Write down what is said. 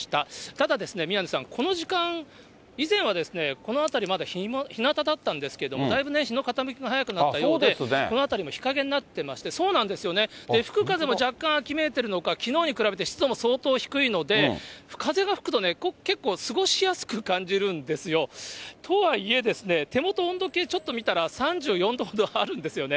ただですね、宮根さん、この時間、以前はこの辺りまだひなただったんですけれども、だいぶね、日の傾きが早くなったようで、この辺りも日陰になってまして、そうなんですよね、吹く風も若干秋めいているのか、きのうに比べて湿度も相当低いので、風が吹くとね、結構過ごしやすく感じるんですよ。とはいえですね、手元温度計、ちょっと見たら３４度ほどあるんですよね。